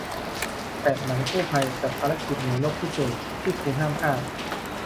แปด หนังกู้ภัย กับภารกิจหน่วยรบพิเศษที่คุณห้ามพลาด